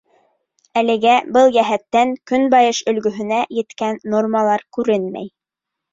Әлегә был йәһәттән Көнбайыш өлгөһөнә еткән нормалар күренмәй.